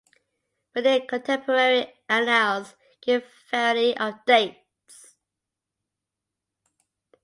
But near contemporary annals give a variety of dates.